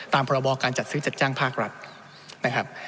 พรบการจัดซื้อจัดจ้างภาครัฐนะครับ